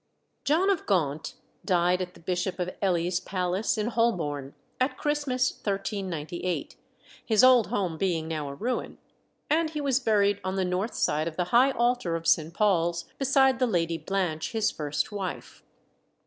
John of Gaunt died at the Bishop of Ely's palace in Holborn, at Christmas 1398 his old home being now a ruin and he was buried on the north side of the high altar of Saint Paul's, beside the Lady Blanche, his first wife.